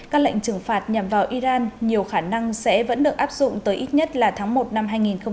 các lệnh trừng phạt nhằm vào iran nhiều khả năng sẽ vẫn được áp dụng tới ít nhất là tháng một năm hai nghìn hai mươi